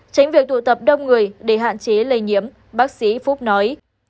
tránh việc tụ tập đông người để hạn chế lây nhiễm bác sĩ phúc nói